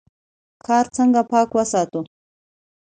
ښار څنګه پاک وساتو؟